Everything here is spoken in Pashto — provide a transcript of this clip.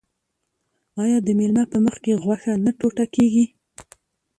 آیا د میلمه په مخکې غوښه نه ټوټه کیږي؟